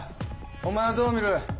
お前はどう見る？